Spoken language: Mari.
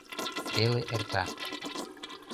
Теле эрта.